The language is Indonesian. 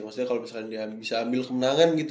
maksudnya kalau misalnya dia bisa ambil kemenangan gitu